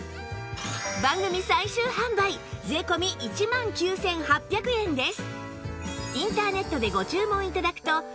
番組最終販売税込１万９８００円です